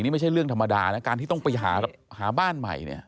นี่ไม่ใช่เรื่องธรรมดานะการที่ต้องไปหาบ้านใหม่เนี่ย